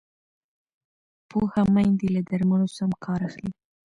پوهه میندې له درملو سم کار اخلي۔